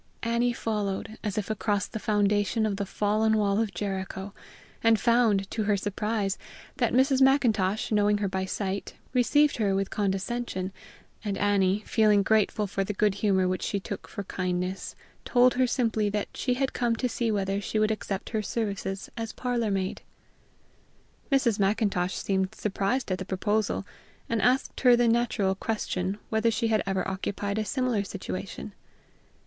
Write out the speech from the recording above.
Annie followed, as if across the foundation of the fallen wall of Jericho; and found, to her surprise, that Mrs. Macintosh, knowing her by sight, received her with condescension, and Annie, grateful for the good humor which she took for kindness, told her simply that she had come to see whether she would accept her services as parlor maid. Mrs. Macintosh seemed surprised at the proposal, and asked her the natural question whether she had ever occupied a similar situation.